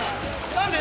何で？